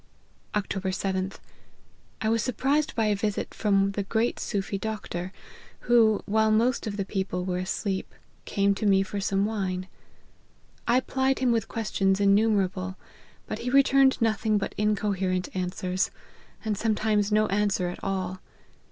" Oct. 7th. I was surprised by a visit from the great Soofie doctor, who, while most of the people were asleep, came to me for some wine. I plied him with questions innumerable ; but he returned nothing but incoherent answers, and sometimes no answer at all.